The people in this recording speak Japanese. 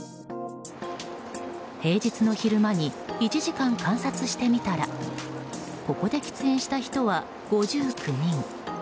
平日の昼間に１時間観察してみたらここで喫煙した人は５９人。